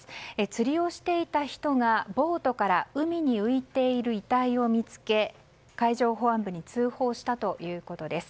釣りをしていた人が、ボートから海に浮いている遺体を見つけ海上保安部に通報したということです。